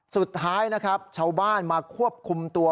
สุดท้ายนะครับชาวบ้านมาควบคุมตัว